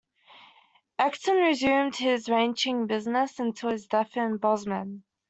Ecton resumed his ranching business until his death in Bozeman.